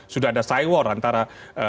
sudah ada cywar antara